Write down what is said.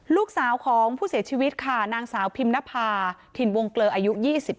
ลูกสาวของผู้เสียชีวิตค่ะนางสาวพิมนภาถิ่นวงเกลออายุ๒๗